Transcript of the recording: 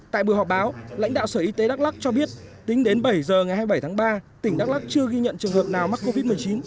tại buổi họp báo lãnh đạo sở y tế đắk lắc cho biết tính đến bảy giờ ngày hai mươi bảy tháng ba tỉnh đắk lắc chưa ghi nhận trường hợp nào mắc covid một mươi chín